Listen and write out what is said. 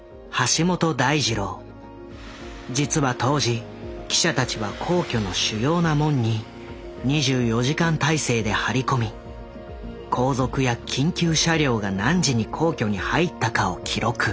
実は当時記者たちは皇居の主要な門に２４時間態勢で張り込み皇族や緊急車両が何時に皇居に入ったかを記録。